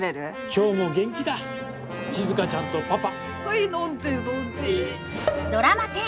今日も元気だ静ちゃんとパパ。